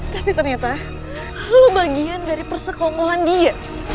tapi ternyata lo bagian dari persekonggolan dia